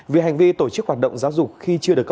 về tội đưa hối lộ